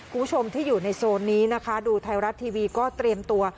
คุณผู้ชมที่อยู่ในโซนนี้นะคะดูไทยรัฐทีวีก็เตรียมตัว